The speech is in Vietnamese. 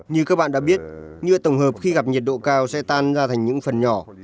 như các bạn đã biết nhựa tổng hợp khi gặp nhiệt độ cao sẽ tan ra thành những phần nhỏ